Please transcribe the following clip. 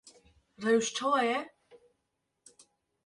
Rewş çawa ye?